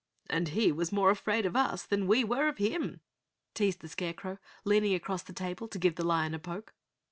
"And he was more afraid of us than we were of him," teased the Scarecrow, leaning across the table to give the lion a poke.